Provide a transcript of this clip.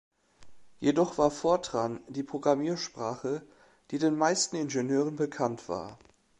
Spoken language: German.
Jedoch war "Fortran" die Programmiersprache, die den meisten Ingenieuren bekannt war.